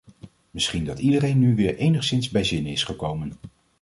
Misschien dat iedereen nu weer enigszins bij zinnen is gekomen.